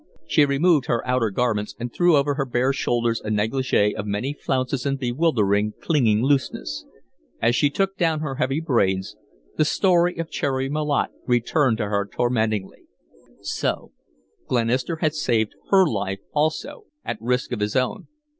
She removed her outer garments and threw over her bare shoulders a negligee of many flounces and bewildering, clinging looseness. As she took down her heavy braids, the story of Cherry Malotte returned to her tormentingly. So Glenister had saved HER life also at risk of his own.